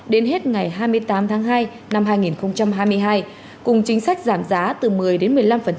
đến hết ngày hai mươi tám tháng hai năm hai nghìn hai mươi hai cùng chính sách giảm giá từ một mươi đến một mươi năm